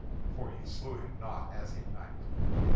_" For he slew him not as a knight.)